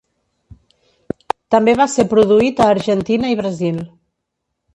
També va ser produït a Argentina i Brasil.